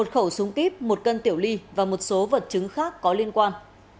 một khẩu súng kíp một cân tiểu ly và một số vật chứng khác có liên quan